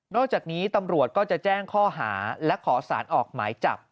จากนี้ตำรวจก็จะแจ้งข้อหาและขอสารออกหมายจับ